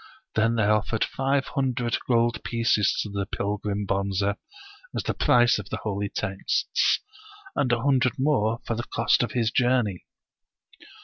Then they offered five hundred gold pieces to the pilgrim Bonze, as the price of the holy texts, and a hundred njore for the cost of his journey.